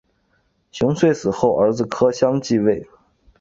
熊遂死后儿子柯相继位。